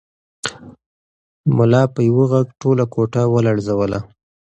ملا په یوه غږ ټوله کوټه ولړزوله.